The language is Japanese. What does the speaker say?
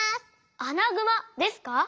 アナグマですか？